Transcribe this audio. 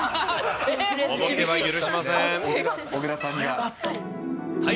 おとぼけは許しません。